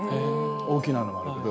大きなのはあるけど。